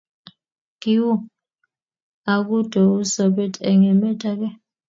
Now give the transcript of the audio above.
Kiuu akutou sobet eng' emet age.